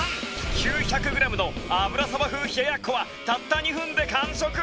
９００グラムの油そば風冷奴はたった２分で完食！